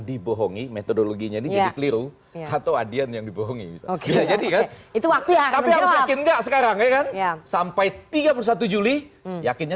dibohongi metodologinya ini keliru atau adian yang dibohongi itu waktu sampai tiga puluh satu juli yakinnya